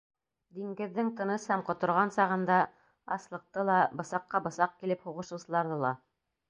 Диңгеҙҙең тыныс һәм ҡоторған сағын да, аслыҡты ла, бысаҡҡа бысаҡ килеп һуғышыусыларҙы ла.